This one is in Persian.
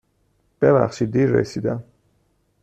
ببخشید دیر رسیدم.